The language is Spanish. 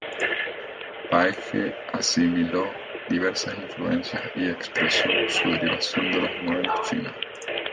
Baekje asimiló diversas influencias y expresó su derivación de los modelos chinos.